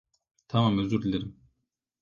Tamam, özür dilerim.